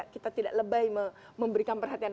kita tidak lebay memberikan perhatian